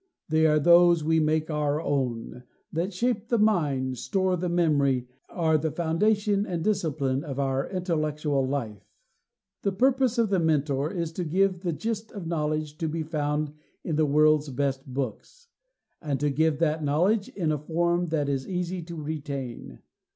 They are those we make our own; that shape the mind, store the memory, are the foundation and discipline of our intellectual life. The purpose of The Mentor is to give the gist of knowledge to be found in the world's best books, and to give that knowledge in a form that is easy to retain.